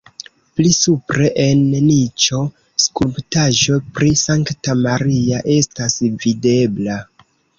Pli supre en niĉo skulptaĵo pri Sankta Maria estas videbla.